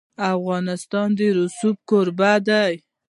افغانستان د رسوب کوربه دی.